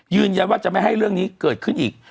ยืนยันว่าจะไม่ให้เรื่องนี้เกิดขึ้นอีก